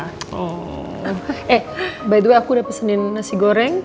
eh by the way aku udah pesenin nasi goreng